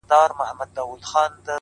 پوهه د محدود فکر کړکۍ پرانیزي؛